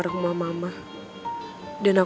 dan aku udah janji kalau aku akan jaga kalung itu baik baik